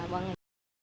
dạ ba nghìn